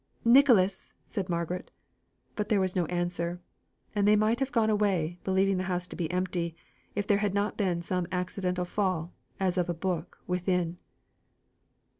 "Nicholas!" said Margaret. There was no answer, and they might have gone away, believing the house to be empty, if there had not been some accidental fall, as of a book, within.